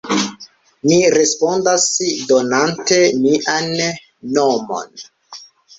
Mi respondas donante mian nomon.